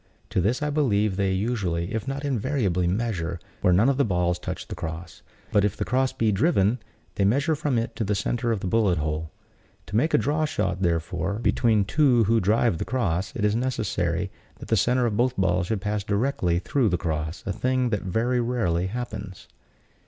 To this I believe they usually, if not invariably, measure, where none of the balls touch the cross; but if the cross be driven, they measure from it to the center of the bullet hole. To make a draw shot, therefore, between two who drive the cross, it is necessary that the center of both balls should pass directly through the cross; a thing that very rarely happens.